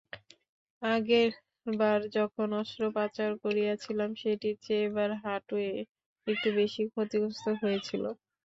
আগেরবার যখন অস্ত্রোপচার করিয়েছিলাম, সেটির চেয়ে এবার হাঁটু একটু বেশিই ক্ষতিগ্রস্ত হয়েছিল।